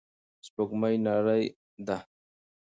سپوږمۍ نرۍ ده.